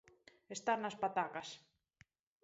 Estar nas patacas.